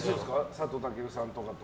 佐藤健さんとかと。